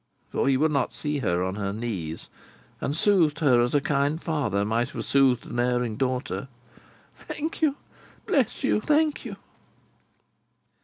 —for he would not see her on her knees, and soothed her as a kind father might have soothed an erring daughter—"thank you, bless you, thank you!"